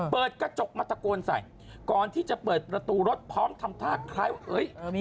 เปิดกระจกมาตะโกนใส่ก่อนที่จะเปิดประตูรถพร้อมทำท่าคล้ายว่าเฮ้ย